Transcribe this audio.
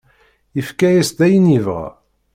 Yefka-as-d ayen yebɣa.